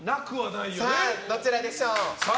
どちらでしょう。